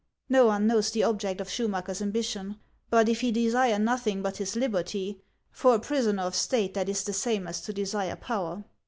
No one knows the object of Schumacher's ambition ; but if he desire nothing but his liberty, for a prisoner of state that is the same as to desire power